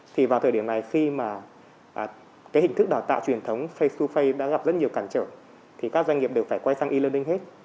thì vào thời điểm này khi mà cái hình thức đào tạo truyền thống faceo face đã gặp rất nhiều cản trở thì các doanh nghiệp đều phải quay sang e learning hết